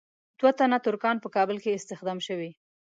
دوه تنه ترکان په کابل کې استخدام شوي.